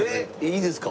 いいですか？